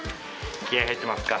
気合入ってますか？